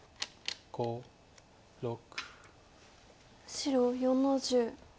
白４の十。